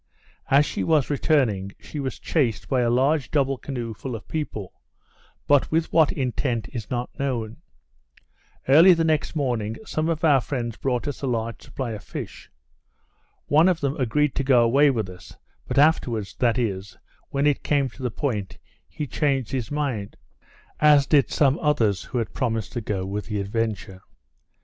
As she was returning, she was chased by a large double canoe full of people; but with what intent is not known. Early the next morning, some of our friends brought us a large supply of fish. One of them agreed to go away with us; but afterwards, that is, when it came to the point, he changed his mind; as did some others who had promised to go with the Adventure.